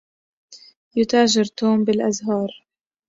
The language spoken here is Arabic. يتاجر توم بالأزهار.